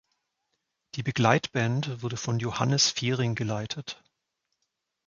Die Begleitband wurde von Johannes Fehring geleitet.